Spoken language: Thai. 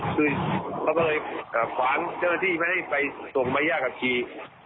คือเขาก็เลยขวางเจ้าหน้าที่ไม่ได้ไปส่งไม่ยากกับขี่